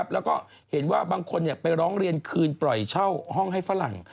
แล้วก็เห็นว่าบางคนไปร้องเรียนคืนปล่อยเช่าห้องให้ฝรั่ง